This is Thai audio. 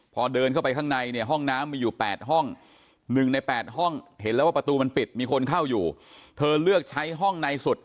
พอเดินเข้าไปข้างในเนี่ยห้องน้ำมีอยู่๘ห้อง